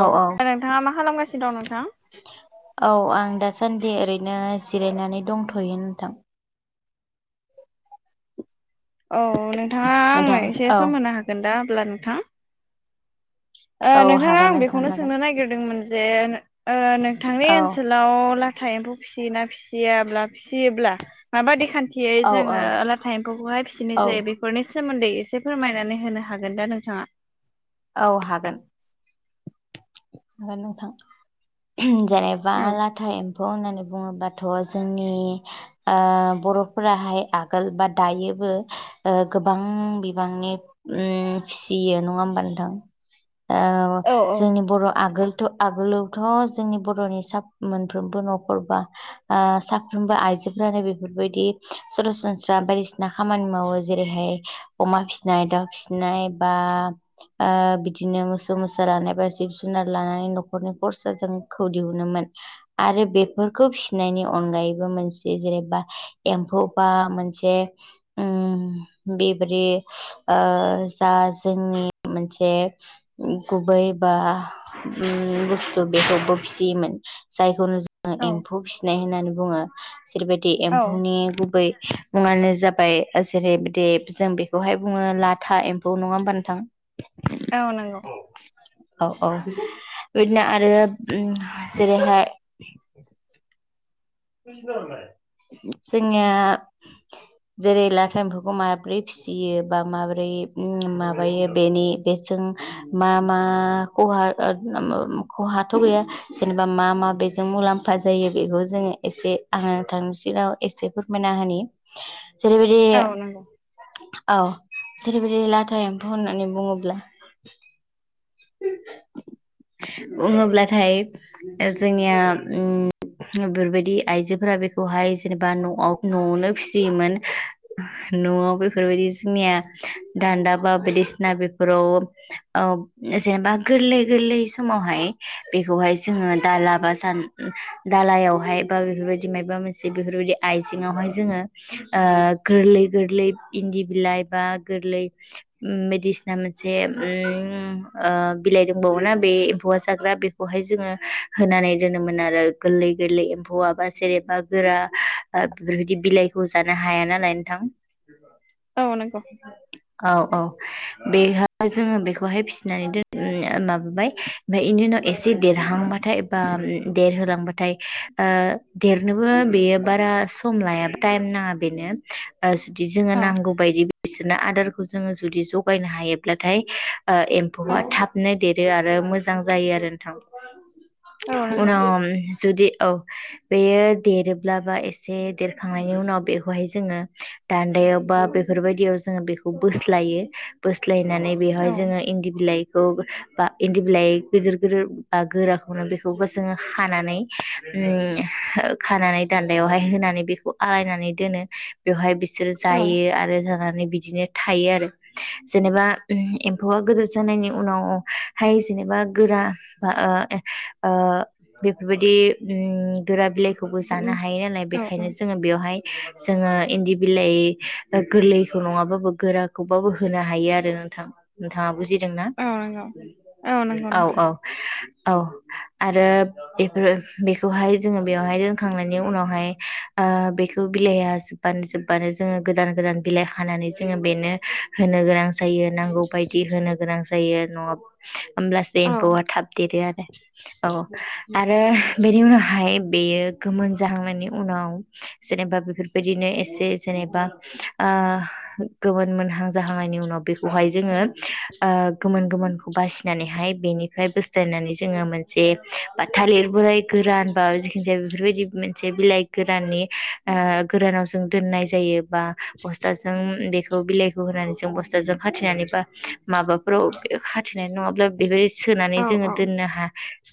औ नोंथाङा मा खालामगासिनो दं नोंथां? सानडे ओरैनो जिरायनानै दंथ'यो नोंथां। औ नोंथाङा आंनो नोंथां एसे औ सम होनो हागोन ना अब्ला नोंथां? ओ औ नोंथांनाव हागोन आं नोंथां बेखौनो हागोन सोंनो नागिरदोंमोन जे ओ थांनि औ ओनसोलाव लाथा एम्फौ फिसियोना फिसियाब्ला फिसियोब्ला माबादि खान्थियै औ औ जोङो आलाथा एम्फौखौहाय फिसिनाय औ जायो बेफोरनि सोमोन्दै एसे फोरमायनानै होनो हागोन दा नोंथाङा? औ हागोन। नोंथां जेनेबा औ लाथा एम्फौ होननानै बुङोबा जोंनि ओ बर'फोराहाय आगोल बा दायोबो गोबां बिबांनि उम फिसियो नङा होमबा नोंथां? ओ औ औ जोंनि बर' आगोलथ' आगोलावथ' जोंनि बर'नि सा-मोनफ्रोमबो न'खरबा ओ सा फ्रोमबो आइजोफोरानो बेफोरबायदि सरासनस्रा बायदिसिना खामानि मावो जेरैहाय अमा फिसिनाय दाउ फिसिनाय बा ओ बिदिनो मोसौ मोसा रानाय बा जिब जुनार लानानै न'खरनि खरसा जों खौ दिहुनोमोन आरो बेफोरखौ फिसिनायनि अन अनगायैबो मोनसे जेनेबा एम्फौ बा मोनसे उम बे दि ओ जा जोंनि मोनसे गुबै बा उम बुस्थु बेखौबो फिसियोमोन जायफोर आ औ एम्फौ फिसिनाय होननानै बुङो जेरैबायदि औ एम्फौनि गुबै मुङानो जाबाय जेरै बिदि जों बेखौहाय बुङो लाथा एम्फौ नङा होमबा नोंथां? औ नंगौ औ औ बिदिनो आरो जेरैहाय जोंनिया जेरै लाथा एम्फौखौ माबोरै फिसियो बा माबोरै माबायो बेनि बेनि बे जों मा मा खहा ओ उम खहाथ' गैया जेनेबा मा मा बे जों मुलाम्फा जायो बेखौ जोङो एसे आं नोंथांनि सिगाङाव एसे फोरमायना होनि जेरैबायदि औ नंगौ औ जेरैबायदि लाथा एम्फौ होननानै बुङोब्ला बुङोब्लाथाय जोंनिया उम बेफोरबायदि दि आइजोफोरा बेखौहाय जेनेबा न'आव न'आवनो फिसियोमोन न'आव बेफोर दि जोंनिया दान्दा बा बायदिसिना बेफोराव जेनेबा गोरलै गोरलै गोरलै समावहाय बेखौहाय जोङो दाला बा सान दालायावहाय बा बेफोरबायदि मायोबा मोनसे बेफोरबायदि आइजेङावहाय जोङो गोरलै गोरलै बिलाइ बा गोरलै उम बायसिना मोनसे उम ओ बिलाइ दोंबावोना बे एम्फौआ जाग्रा बेखौहाय जोङो होनानै दोनोमोन आरो गोरलै गोरलै बवाबा सेरेबा गोरा बेफोरबायदि बिलाइखौ जानो हाया नालाय नोंथां। औ नोंगौ औ औ बे जोङो बेखौहाय फिसिनानै दोन माबाबाय ओमफ्राय इनि एसे देरहांबाथाय बा देरहोलांबाथाय ओ देरनोबो बेयो बारा सम लाया टाइम नाङा बेनो जुदि जोङो औ नांगौ बायदि बिसोरनो आदारखौ जोङो जुदि जगायनो हायोब्लाथाय औ एम्फौआ थाबनो देरो आरो मोजां जायो आरो नोंथां औ नंगौ उनाव जुदि औ बेयो देरोब्ला बा एसे देरखांनायनि उनाव बेखौहाय जोङो दान्दायाव बा बेफोरबायदियाव जों बेखौ बोस्लायो बो बोस्लायनानै औ बेवहाय जोङो इन्दि बिलाइखौ बा इन्दि बिलाइ गिदिर गिदिर बा गोराखौनो बेखौबो जोङो हानानै उम ओ खानानै दान्दायावहाय होनानै बेखौ आलायनानै दोनो बेवहाय बि बिसोरो औ जायो आरो जानानै बिदिनो थायो आरो जेनेबा उम एम्फौआ गोदोर जानायनि उनावहाय जेनेबा बा गोरा बा ओ ए ओ बेफोरबायदि उम गोरा बिलाइखौबो जानो हायो नालाय औ बेखायनो जोङो बेवहाय जोङो इन्दि बिलाइ गोरलैखौ नङाबाबो गोराखौबाबो होनो हायो आरो नोंथां। नोंथाङा बुजिदोंना औ नंगौ औ नंगौ नोंथां औ-औ। औ आरो बेफोर बेखौहाय जोङो बेवहाय दोनखांनायनि उनावहाय ओ बेखौ बिलाइया जोबबानो जोबबानो जोङो गोदान गोदान बिलाइ हानानै जोङो बेनो होनो गोनां जायो नांगौ बायदि होनो गोनां जायो आरो नंआ होमब्लासो औ एम्फौआ थाब देरो आरो औ आरो बेनि उनावहाय बेयो गोमोन जाहांनायनि उनाव जेनेबा बेफोरबायदिनो एसे जेने जेनेबा ओ गुबुन मोनहां जाहांनायनि उनाव बेखौ खौहाय जोङो ओ गोमोन गोमोनखौ बासिनानैहाय बेनिफ्राय बोस्लायनानै जोङो मोनसे बा थालिर बोराय गोरान बा जिखि जाया बेफोरबायदि मोनसे बिलाइ गोराननि ओ‌ गोरानाव जों दोननाय जायो। एबा बस्थाजों बिखौ बिलाइखौ होनानै जों बस्थाजों खाथिनानै बा माबाफोराव खाथिनाय नङाब्ला बेबायदि औ सोनानै जोङो दोननो हा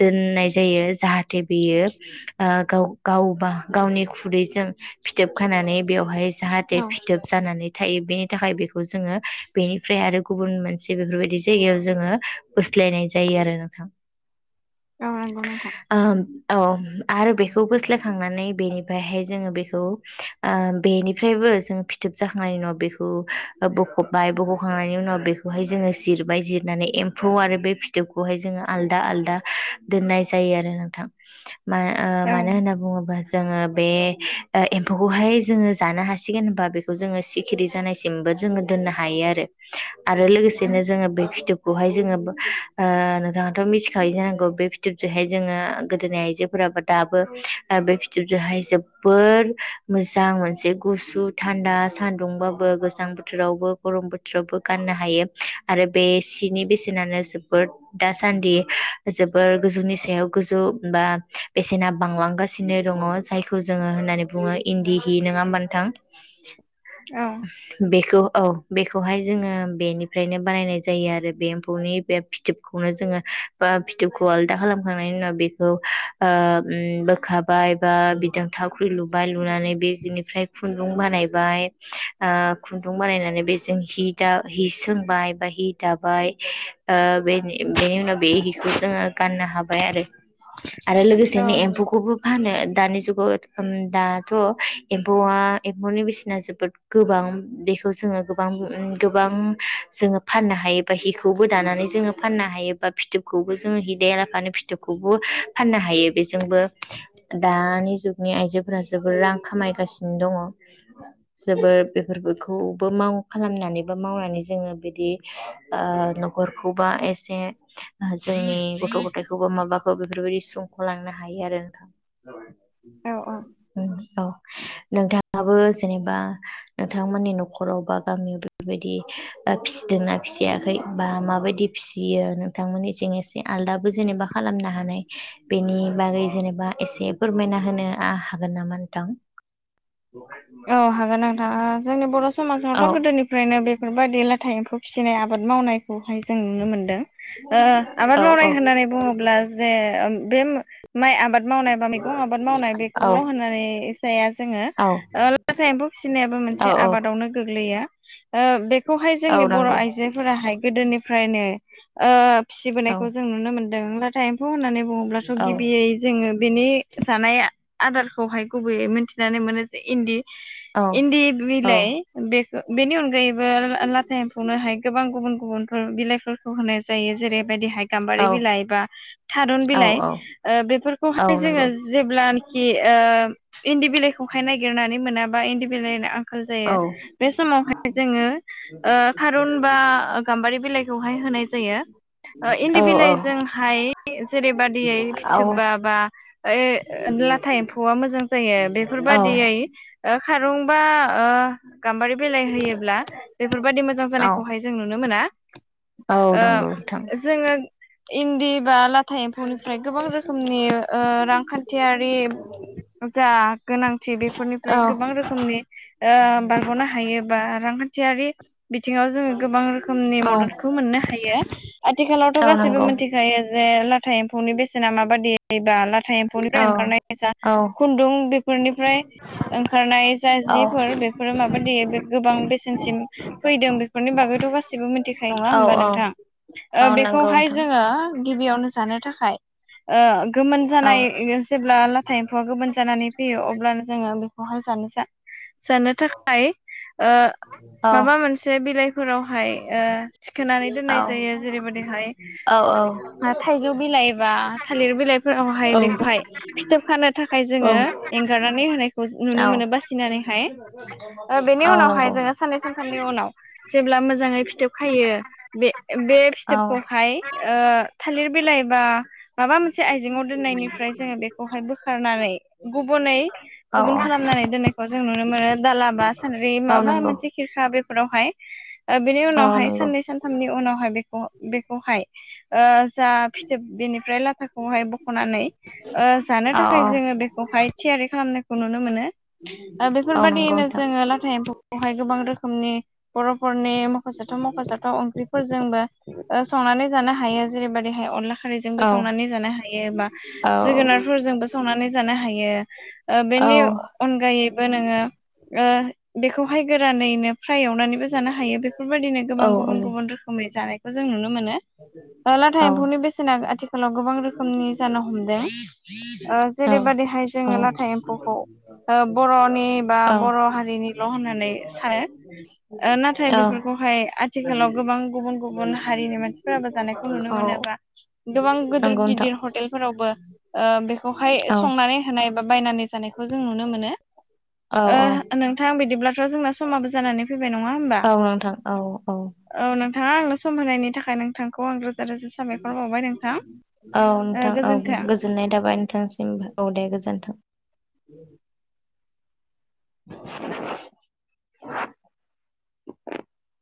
दोननाय जायो जाहा हाथे बेयो ओ गाव गावबा गावनि खुदैजों फिथोब खानानै बेवहाय जाहाथे औ फिथोब जानानै थायो बेनि थाखाय बेखौ जोङो बेनिफ्राय आरो गुबुन मोनसे बेफोरबायदि जायगायाव जोङो बोस्लायनाय जायो आरो नोंथां। औ नोंगौ नोंथां। उम औ आरो बेखौ बोस्लायखांनानै बेनिफ्रायहाय जोङो बेखौ ओ बे बेनिफ्रायबो जों फिथोब जाखांनायनि उनाव बेखौ बख'बाय बख'खांनायनि उनाव बेखौहाय जोङो जिरबाय जिरनानै एम्फौ आरो बे फिथोबखौहाय जोङो आलदा आलदा दोननाय जायो आरो नों थां मान ओ औ मानो होनना बुङोबा जोङो बे ओ एम्फौखौहाय जोङो जानो हासिगोन होनबा बेखौ जोङो सिखिरि जानायसिमबो जोङो दोननो हायो आरो आरो लोगोसेनो जोङो बे फिथोब खौहाय जोङो ओ नोंथाङाथ' मिथिखायो जानांगौ बे फिथोबजोंहाय जोङो गोदोनि आइजोफोराबो दाबो ओ बे फिथोबजोंहाय जोबोर मोजां मोनसे गुसु थान्दा सान्दुंबाबो गोजां बोथोरावबो गरम बोथोरावबो गाननो हायो आरो बे सिनि बेसेनानो जोबोर दासान्दि जोबोर गोजौनि सायाव गोजौ बा बेसेना बांलांगासिनो दङ जायखौ जोङो होननानै बुङो इन्दि हि नोङा होमबा नोथां। बेखौ औ बेखौहाय जोङो बेनिफ्रायनो बानायनाय जायो आरो बे एम्फौनि बे फिथोबखौनो जोङो बा फिथोबखौ आलदा खालामखांनायनि उनाव बे खौ ओ उम बोखाबाय बा बिदों थावख्रि लुबाय लुनानै बेजेनिफ्राय खुन्दुं बानायबाय ओ खुन्दुं बानायनानै बेजों हि दा हि सोंबाय बा हि हि दाबाय ओ बेनि उम बेनि उनाव बे हिखौ जोङो गाननो हाबाय आरो आरो औ लोगोसेनो नंगौ एम्फौखौबो फानो दानि जुगाव दाथ' एम्फौआ एम्फौनि बेसेना जोबोद गोबां बेखौ जोंङो गोबां उम गोबां जोंङो फानो हायोबा हिखौबो दानानै जोङो फानो हायो। बा फिथोबखौबो जो हदायाला आफानो फिथोबखौ फाननो हायो बेजोंबो दानि जुगनि आइजोफोरा जोबोर रां खामायगासिनो दङ जोबोर बेफोरखौबो खालामनानैबो मावनानै जोङो बिदि ओ नगरखौबा एसे जोंनि गथ गथायाइखौबो माबाखौ बेफोरबायदि सुंखलांनो हायो आरो नोंथां। औ औ औ औ। नोंथाङाबो जेनेबा नोंथांमोननि नखराव बा गामियाव बेफोरबायदि फिसिदोंना फिसियाखै बा माबायदि फिसियो नोंथांमोननि जें एसे आलदाबो जेनेबा खालामनो! बेनि बागै जेनेबा एसे फोरमायना होनो हागोन नामा नोंथां। [inaudible] औ हागोन नोंथां जोंनि बर समाजावथ औ गोदोनिफ्रायनो बेफोरबायदि ला था एम्फौ फिसिनाय आबाद मावनायखौहाय जों नुनो मोन्दों ओ आबाद औ मावनाय औ होननानै बुङोब्ला जे बे माइ आबाद मावनाय बा मैगं आबाद मावनाय औ बेखौल होननानै जाया जोङो औ लाथा एम्फौ फिसिनायाबो औ मोनसे औ आबादावनो गोग्लैयो ओ बेखौहाय जोंनि औ बर नंगौ आइजोफोराहाय गोदोनिफ्रायनो ओ औ फिसिबोनायखौ जों नुनो मोनदों लाथा एम्फौ होननानै बुङोब्लाथ औ गिबियै जोङो बेनि जानाय आदारखौहाय गुबैयै मिन्थिनानै मोनो इन्दि औ इन्दि औ बिलाइ बे बेनि अनगायैबो लाथा एमफावनो हाय गोबां गुबुन गुबुनफोर बिलाइफोर होनाय जायो जेरैबायदिहाय गाम्बारि औ बिलाइ बा थारुन औ बिलाइ औ ओ औ बेफोरखौहाय जोङो नंगौ जेब्लानाखि ओ इन्दि बिलाइखौ नागिरनानै मोनाबा इन्दि बिलाइनि आंखाल औ जायो बे समावहाय जोङो ओ थारुन बा गाम्बारि बिलाइखौहाय होनाय जायो! औ इन्दि बिलाइजोंहाय जेरैबायादियै औ फिथोबबा बा ओ। लाथा एम्फौआ मोजां जायो बेफोरबायदियै खारंबा ओ। गाम्बारि बिलाइ होयोब्ला बेफोरबायदि मोजां औ जानायखौहाय जों नुनो मोना। औ ओ नंगौ नोंथां जोङो इन्दि बा लाथ था एम्फौनिफ्राय गोबां रोखोमनि ओ रांखान्थियारि जा गोनांथि बेफोरनिफ्राय औ गोबां रोखोमनि ओ बारगनो हायो बा रांखान्थियारि बिथिङाव जोङो गोबां रोखोमनि औ मददखौ मोननो हायो। आथिखालावथ औ गासिबो नंगौ मिथिखायो जे लाथा एम्फौनि बेसेना माबादि बा औ एम्फौनिफ्राय ओंखारनाय जा औ खुन्दुं निफ्राय ओंखारनाय जा जिफोर बेफोरो माबा दै गोबां बेसेनसिम फैदों बेफोरनि बागैथ गासिबो मिथि नङा औ होमबा नोंथां औ नंगौ बेखौहाय नोंथां जोङो गिबियावनो जानो थाखाय ओ गोमोन औ जानाय जेब्ला लाथाया एम्फौआ गोमोन जानानै फैयो अब्लानो जोङो बेखौहाय जानो जानो थाखाय ओ औ औ माबा मोनसे बिलाइफोरावहाय ओ थिखोनानै औ दोननाय जायो जेरैबायदि औ थाइजौ बिलाइ बा थालिर बिलाइफोरावहाय बेखौहाय फिथोब खानो थाखाय जोङो एंगारनानै होनायखौ औ नुनो मोनो औ बासिनानैहाय बेनि औ उनावहाय नंगौ जोङो साननै सानथामनि उनाव जेब्ला मोजाङै फिथोब खायो बे बे औ औ फिथोबखौहाय ओ थालिर बिलाइबा माबा मोनसे आइजेंङाव दोननायनिफ्राय जोङो बेखौहाय बोखारनानै [unintelligible] औ गुबुन खालामनानै दोननायखौ जों नुनो मोनो दाला बा सानद्रि औ माबा नंगौ मोनसे खेरखा बे फोरावहाय ओ बेनि औ उनावहाय नंगौ साननै सानथामनि उनावहाय बेखौ बेखौहाय ओ जा फिथोब बेनिफ्राय लाथाखौहाय बखनानै ओ जानो ओ औ थाखाय औ जोङो बे थियारि खालामनायखौ नुनो मोनो ओ औ नंगौ बेफोरबायादिनो नोंथां जोङो लाथा एम्फौखौहाय गोबां रोखोमनि बर'फोरनि मखजाथाव मखजाथाव ओंख्रिफोरजोंबो ओ संनानै जानो हायो जेरैबायदिहाय अनला खारैजोंबो औ संनानै जानो हायो बा औ जोगोनारफोरजोंबो संनानै जानो हायो ओ औ बेनि अनगायैबो नोङो ओ बेखौहाय गोरानैनो फ्राय एवनानैबो जानो हायो बेफोरबायाददिनो गोबां गुबुन गुबुन रोखोमै जानायखौ जों नुनो मोनो। ओ लाथा औ एम्फौनि बेसेना आथिखालाव गोबां रोखोमनि जानो हमदों ओ जेरैबादिहाय जोङो लाथा एम्फौखौ ओ बर'नि बा औ बर' हारिनिल' होननानै सानो ओ नाथाय बेफोरखौहाय आथिखालाव गोबां गुबुन गुबुन हारिनि मानस फोराबो जानायखौ नुनो मोनो औ बा गोबां गिदिर नंगौ नोंथां गिदिर हटेलफोरावबो ओ बेखौ हाय औ संनानै होनाय बा बायनानै जानायखौ जों नुनो मोनो। औ ओ नोंथां बिदिब्लाथ' जोंना समाबो जानानै फैबाय नङा होमबा औ नोंथां औ औ नोंथाङा आंनो सम होनायनि थाखाय नोंथांखौ आं रो औ ओ नोंथां औ गोजोन्थों गोजोननाय थाबाय नोंथांस सिमबो औ दे गोजोनथों। [inaudible]